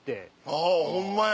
あぁホンマや。